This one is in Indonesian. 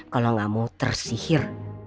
kalau gak mau tersihir